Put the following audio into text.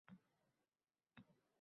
Birdan oyimning ko‘zida g‘azab chaqnadi.